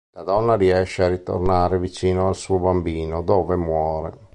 La donna riesce a ritornare vicino al suo bambino dove muore.